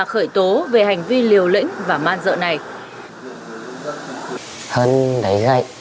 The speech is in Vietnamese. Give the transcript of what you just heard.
khởi tố về hành vi liều lĩnh và man dợ này